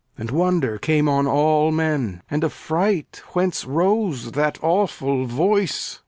And wonder came on all men, and affright, Whence rose that awful voice.